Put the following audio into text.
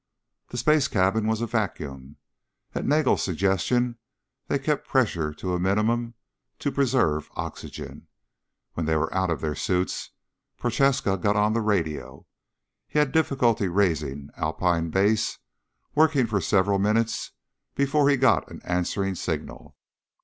The space cabin was a vacuum. At Nagel's suggestion they kept pressure to a minimum to preserve oxygen. When they were out of their suits, Prochaska got on the radio. He had difficulty raising Alpine Base, working for several minutes before he got an answering signal.